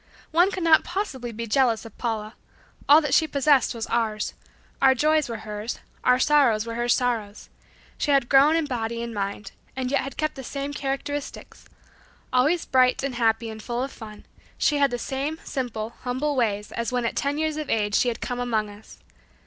One could not possibly be jealous of Paula. All that she possessed was ours. Our joys were hers. Our sorrows were her sorrows. She had grown in body and mind, and yet had kept the same characteristics. Always bright and happy and full of fun, she had the same simple, humble ways as when at ten years of age she had come among us.